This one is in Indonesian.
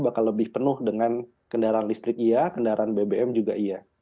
bakal lebih penuh dengan kendaraan listrik iya kendaraan bbm juga iya